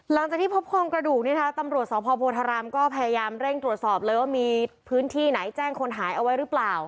หลังจากที่พบโครงกระดูกนี้นะคะตำรวจสพโพธารามก็พยายามเร่งตรวจสอบเลยว่ามีพื้นที่ไหนแจ้งคนหายเอาไว้หรือเปล่า